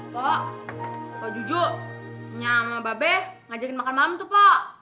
poh poh jujuk nyamama babe ngajakin makan malam tuh poh